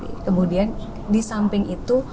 sekedar disanteng gitu